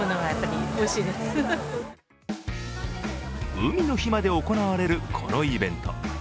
海の日まで行われる、このイベント。